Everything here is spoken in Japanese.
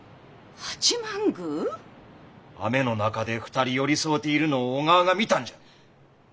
雨の中で２人寄り添うているのを小川が見たんじゃ！